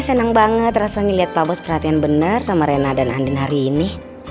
seneng banget rasanya liat pak bos perhatian bener sama rena dan andin hari ini